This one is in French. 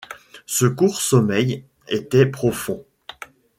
Ce court sommeil était profond.